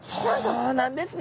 そうなんですね。